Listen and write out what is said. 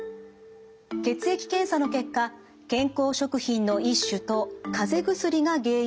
血液検査の結果健康食品の１種とかぜ薬が原因と考えられました。